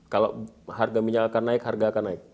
kalau harga minyak akan naik harga akan naik